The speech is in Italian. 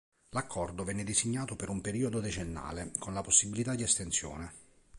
L'accordo venne designato per un periodo decennale, con la possibilità di estensione.